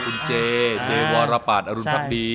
อ๋อคุณเจ้วรปัสอรุณภรรณ์